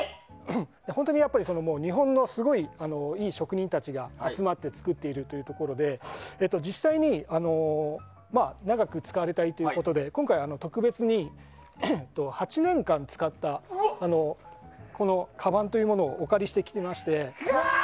日本のすごいいい職人たちが集まって作っているところで実際に長く使われたいということで今回は特別に８年間使ったカバンをお借りしてきました。